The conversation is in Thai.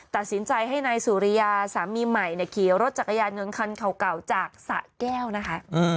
ตัดสินใจให้นายสุริยาสามีใหม่ขี่รถจักรยานยนต์คันเก่าจากสะแก้วนะคะ